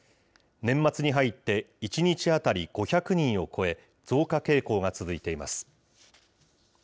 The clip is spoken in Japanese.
年末に入って１日当たり５００人を超え、増加傾向が続いています。